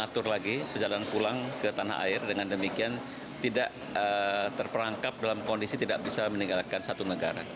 diatur lagi perjalanan pulang ke tanah air dengan demikian tidak terperangkap dalam kondisi tidak bisa meninggalkan satu negara